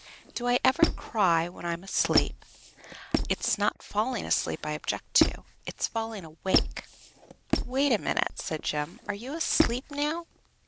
Do I ever cry when I am asleep? It's not falling asleep I object to, it's falling awake." "Wait a minute," said Jem. "Are you asleep now?"